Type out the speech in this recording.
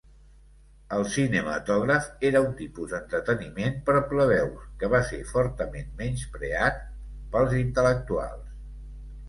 El cinematògraf era un tipus d'entreteniment per plebeus que va ser fortament menyspreat pels intel·lectuals.